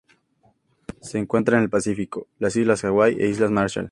Se encuentra en el Pacífico: las Islas Hawaii e Islas Marshall.